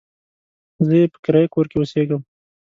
زه يې په کرايه کور کې اوسېږم.